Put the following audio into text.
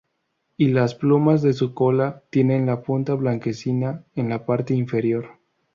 Y las plumas de su cola tienen la punta blanquecina en la parte inferior.